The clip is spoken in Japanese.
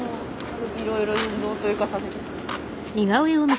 いろいろ運動というかさせて。